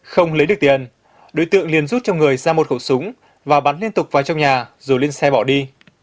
không lấy được tiền đối tượng liền rút trong người ra một khẩu súng và bắn liên tục vào trong nhà rồi lên xe bỏ đi